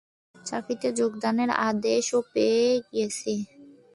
চাকরিতে যোগদানের আদেশও পেয়ে গেছি।